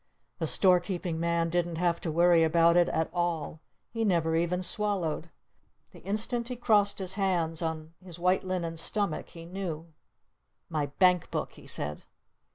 The Store Keeping Man didn't have to worry about it at all. He never even swallowed. The instant he crossed his hands on his white linen stomach he knew! "My Bank Book!" he said.